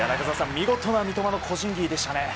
見事な個人技でしたね。